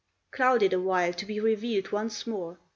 ] Clouded awhile, to be revealed once more!